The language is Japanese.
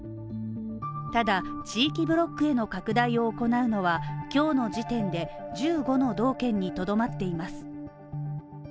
ただ地域ブロックへの拡大を行うのは、今日の時点で１５の道県にとどまっています。